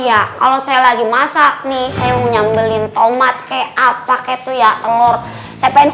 kak kalau saya lagi masak nih yang menyambelin tomat kayak apa kek itu ya telur saya pengen